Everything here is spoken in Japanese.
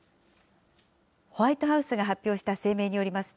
ホワイトハウスが発表した声明によります